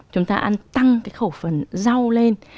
chúng ta ăn tăng cái khẩu phần rau lên